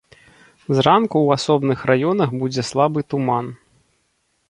Зранку ў асобных раёнах будзе слабы туман.